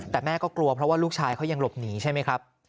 แต่แม่ก็กลัวเพราะว่าลูกชายเขายังหลบหนีใช่ไหมครับ